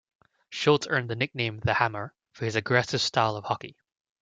Schultz earned the nickname "The Hammer" for his aggressive style of hockey.